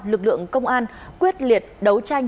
lực lượng công an quyết liệt đấu tranh